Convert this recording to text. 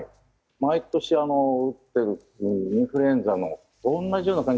毎年、打ってるインフルエンザのと同じような感じ。